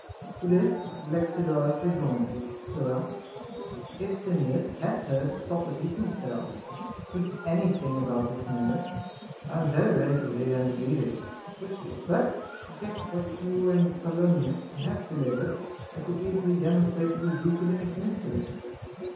* To this Galaxidorus rejoined : Sir, if Simmias hath heard Socrates himself speak any thing about this matter, I am very ready to hear and believe it with you ; but yet what you and Polymnis have delivered I could easily demonstrate to be weak and insignificant.